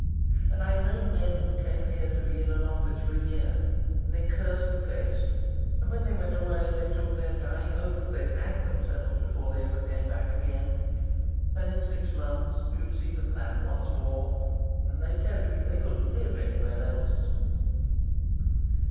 And I've known men who came here to be in an office for a year, and they cursed the place, and when they went away they took their dying oath they'd hang themselves before they came back again, and in six months you'd see them land once more, and they'd tell you they couldn't live anywhere else."